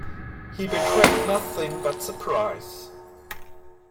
He betrayed nothing but surprise.